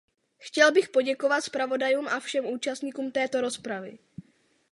Chtěl bych poděkovat zpravodajům a všem účastníkům této rozpravy.